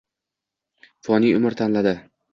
Foniy umr tanladi.